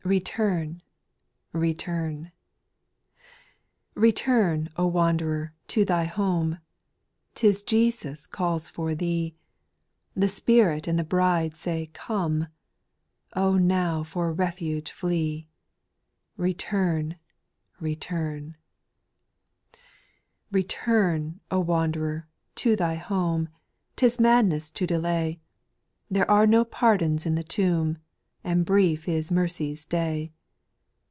Return ! return I 2. Return, O wanderer, to thy home ; 'T is Jesus calls for thee ; The Spirit and the Bride say come — Oh now for refuge flee ! Return ! return I 8. Return, O wanderer, to thy home ; 'T is madness to delay ; There are no pardons in the tomb, A.nd brief is mercy's day.